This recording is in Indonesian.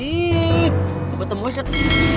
ih kebetulan wisat